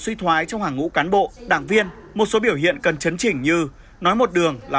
suy thoái trong hàng ngũ cán bộ đảng viên một số biểu hiện cần chấn chỉnh như nói một đường là